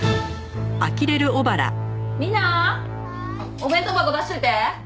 お弁当箱出しておいて。